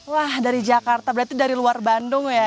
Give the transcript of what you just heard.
wah dari jakarta berarti dari luar bandung ya